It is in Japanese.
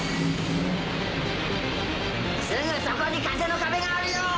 すぐそこに風の壁があるよ！